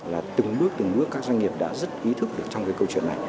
là từng bước từng bước các doanh nghiệp đã rất ý thức được trong cái câu chuyện này